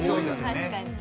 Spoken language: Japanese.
確かに。